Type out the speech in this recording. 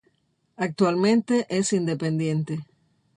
Actualmente es independiente.